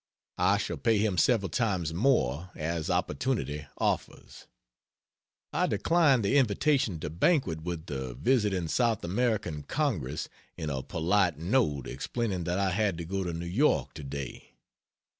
I shall pay him several times more, as opportunity offers. I declined the invitation to banquet with the visiting South American Congress, in a polite note explaining that I had to go to New York today.